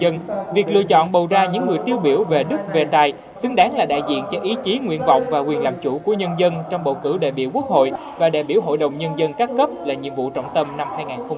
nhưng việc lựa chọn bầu ra những người tiêu biểu về đức về tài xứng đáng là đại diện cho ý chí nguyện vọng và quyền làm chủ của nhân dân trong bầu cử đại biểu quốc hội và đại biểu hội đồng nhân dân các cấp là nhiệm vụ trọng tâm năm hai nghìn hai mươi một